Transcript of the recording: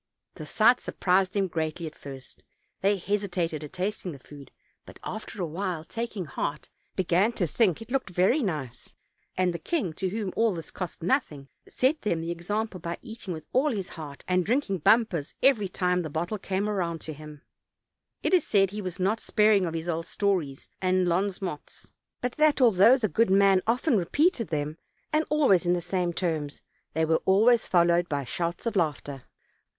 The sight surprised them greatly at first; they hesitated at tasting the food, but after awhile, taking heart, began to think it looked very nice, and the king, to whom all this cost nothing, set them the exam ple, by eating with all his heart, and drinking bumpers every time the bottle came round to him. It is said that he was not sparing of his old stories and Ions mots, but that although the good man often repeated them, and al ways in the same terms, they were always followed by shouts of laughter.